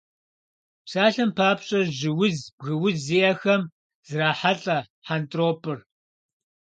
Псалъэм папщӏэ, жьы уз, бгы уз зиӏэхэм зрахьэлӏэ хьэнтӏропӏыр.